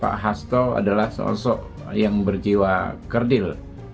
pak hasto adalah sosok yang berjiwa kerdil